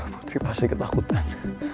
putri pasti ketakutan